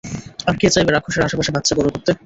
আর কে চাইবে রাক্ষসের আশেপাশে বাচ্চা বড় করতে।